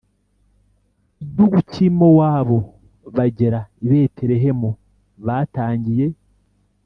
igihugu cy i mowabu bagera i betelehemu batangiye